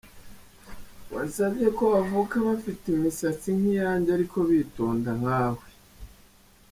Wansabye ko bavuka bafite imkisatsi nk’iyanjye ariko bitonda nkawe!!